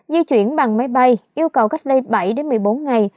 di chuyển bằng máy bay yêu cầu cách ly bảy một mươi bốn ngày